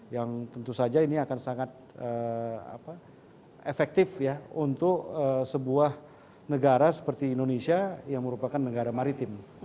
yang tentu saja ini akan sangat efektif ya untuk sebuah negara seperti indonesia yang merupakan negara maritim